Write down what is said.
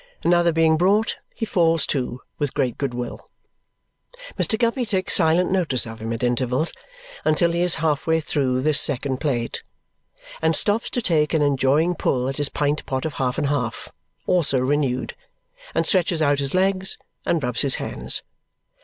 Another being brought, he falls to with great goodwill. Mr. Guppy takes silent notice of him at intervals until he is half way through this second plate and stops to take an enjoying pull at his pint pot of half and half (also renewed) and stretches out his legs and rubs his hands.